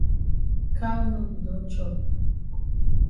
Cow no be don chop.